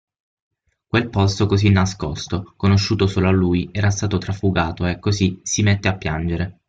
Quel posto così nascosto, conosciuto solo a lui, era stato trafugato e, così, si mette a piangere.